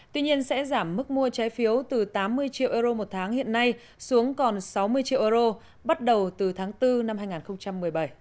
tuy nhiên sẽ giảm mức mua trái phiếu từ tám mươi triệu euro một tháng hiện nay xuống còn sáu mươi triệu euro bắt đầu từ tháng bốn năm hai nghìn một mươi bảy